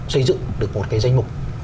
xây dựng được một cái danh mục